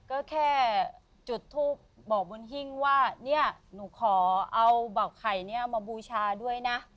ก็แค่จุดทูปบอกบนหิ้งว่าเนี่ยหนูขอเอาเบาไข่นี้มาบูชาด้วยนะ